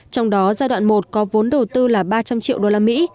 trong đó giai đoạn một có vốn đầu tư là ba trăm linh triệu đô la mỹ